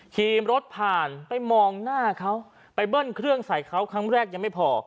ขี่รถผ่านไปมองหน้าเขาไปเบิ้ลเครื่องใส่เขาครั้งแรกยังไม่พอ